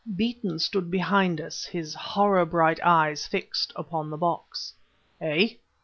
Beeton stood behind us, his horror bright eyes fixed upon the box. "Eh?"